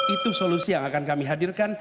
itu solusi yang akan kami hadirkan